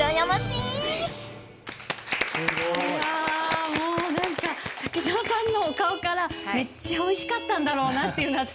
いやもう何か滝沢さんのお顔からめっちゃおいしかったんだろうなっていうのは伝わりました。